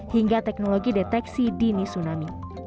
hingga teknologi deteksi dini tsunami